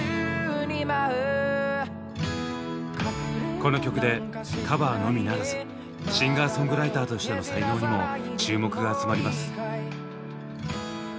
この曲でカバーのみならずシンガーソングライターとしての才能にも注目が集まります。